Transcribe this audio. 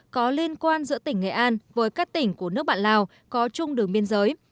có liên quan giữa tỉnh nghệ an với các tỉnh của nước bạn lào có chung đường biên giới